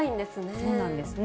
そうなんですね。